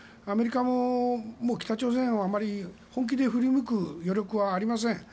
アメリカももう北朝鮮はあまり本気で振り向く余力はありません。